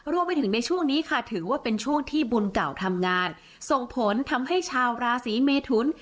รวมไปถึงในช่วงนี้ค่ะถือว่าเป็นช่วงที่บุญเก่าทำงานส่งผลทำให้ชาวราศีเมทุน